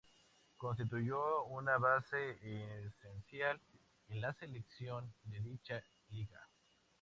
Constituyó una base esencial en la selección de dicha Liga.